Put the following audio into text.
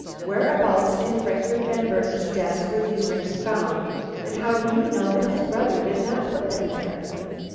Whereabouts in Franklin Van Burnam's desk were these rings found, and how do you know that his brother did not put them there?"